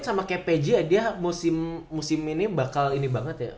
sama kayak peja dia musim ini bakal ini banget ya